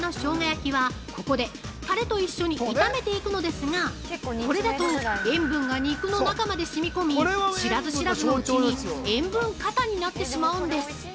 焼きはここでタレと一緒に炒めていくのですがこれだと塩分が肉の中までしみ込み知らず知らずのうちに塩分過多になってしまうんです。